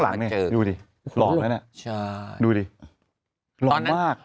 หรอมาก